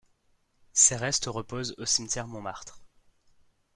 Ses restes reposent au cimetière Montmartre.